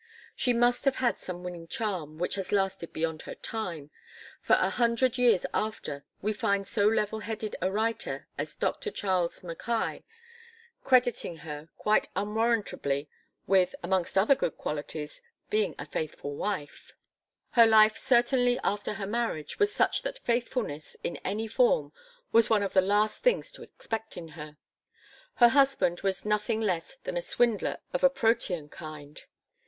She must have had some winning charm which has lasted beyond her time, for a hundred years afterwards we find so level headed a writer as Dr. Charles Mackay crediting her, quite unwarrantably with, amongst other good qualities, being a faithful wife. Her life certainly after her marriage was such that faithfulness in any form was one of the last things to expect in her. Her husband was nothing less than a swindler of a protean kind.